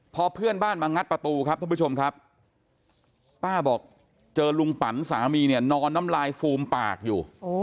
พอเพื่อนบ้านมางัดประตูครับท่านผู้ชมครับป้าบอกเจอลุงปันสามีเนี่ยนอนน้ำลายฟูมปากอยู่